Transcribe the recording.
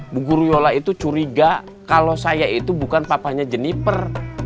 bu guru yola itu curiga kalau saya itu bukan papanya jeniper